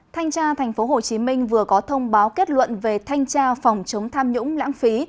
thanh tra tp hcm vừa có thông báo kết luận về thanh tra phòng chống tham nhũng lãng phí